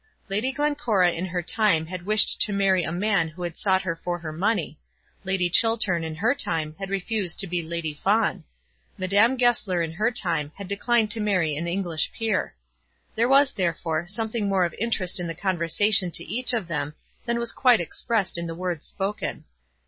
Lady Glencora in her time had wished to marry a man who had sought her for her money. Lady Chiltern in her time had refused to be Lady Fawn. Madame Goesler in her time had declined to marry an English peer. There was, therefore, something more of interest in the conversation to each of them than was quite expressed in the words spoken.